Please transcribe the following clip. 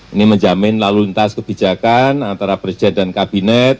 ini menjamin lalu lintas kebijakan antara presiden dan kabinet